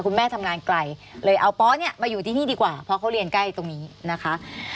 คุณแม่ทำงานไกลเลยเอาป๊อเนี่ยมาอยู่ที่นี่ดีกว่าเพราะเขาเรียนใกล้ตรงนี้นะคะ